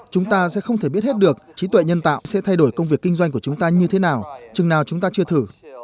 chúng ta sẽ không thể biết hết được trí tuệ nhân tạo sẽ thay đổi công việc kinh doanh của chúng ta như thế nào chừng nào chúng ta chưa thử